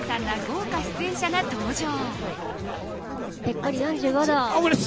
豪華出演者が登場。